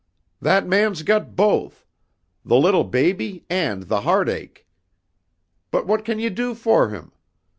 "That man's got both. The little baby and the heartache. But what can you do for him?